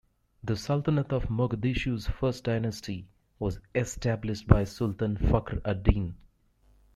The Sultanate of Mogadishu's first dynasty was established by Sultan Fakr ad-Din.